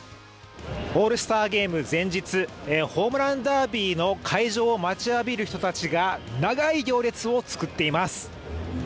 オールスターゲーム前日ホームランダービーの開場を待ちわびる人たちが長い行列を作っています。